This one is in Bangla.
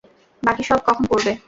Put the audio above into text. বাকি সব কখন করবে?